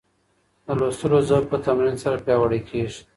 د لوستلو ذوق په تمرین سره پیاوړی کیږي.